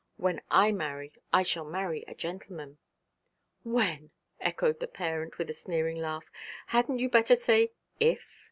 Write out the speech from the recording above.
When I marry I shall marry a gentleman.' 'When!' echoed the parent, with a sneering laugh. 'Hadn't you better say "if"?'